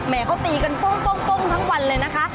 แหมเขาตีกันปุ้มปุ้มปุ้มทั้งวันเลยนะคะ